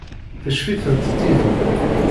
Teccef-itent tidi.